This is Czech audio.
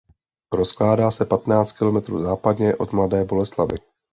Rozkládá se patnáct kilometrů západně od Mladé Boleslavi.